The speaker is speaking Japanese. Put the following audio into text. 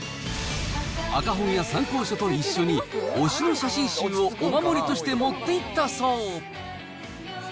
赤本や参考書と一緒に、推しの写真集をお守りとして持っていったそう。